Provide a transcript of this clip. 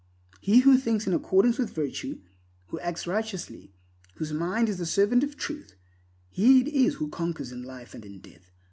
He who thinks in accordance with virtue, who acts righteously, whose mind is the servant of truth, he it is who conquers in life and in death.